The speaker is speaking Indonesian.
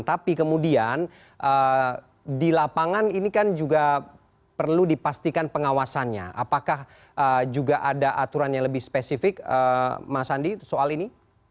tapi kemudian di lapangan ini kan juga perlu dipastikan pengawasannya apakah juga ada aturan yang lebih spesifik mas andi soal ini